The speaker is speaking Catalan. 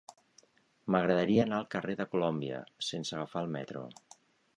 M'agradaria anar al carrer de Colòmbia sense agafar el metro.